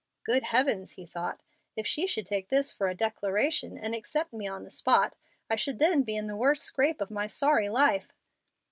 "Good heavens!" he thought, "if she should take this for a declaration and accept me on the spot, I should then be in the worst scrape of my sorry life."